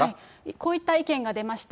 こういった意見が出ました。